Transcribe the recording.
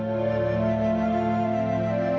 lalu bisa hebat banget juga